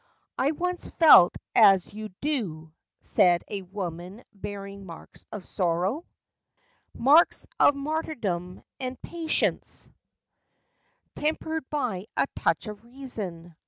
" "I once felt as you do," said a Woman bearing marks of sorrow— Marks of martyrdom and patience, Tempered by a touch of reason.